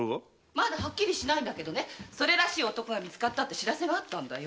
まだはっきりしないけど「それらしい男が見つかった」って報せがあったんだよ。